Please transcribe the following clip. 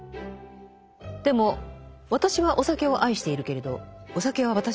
でも私はお酒を愛しているけれどお酒は私を愛してはくれない。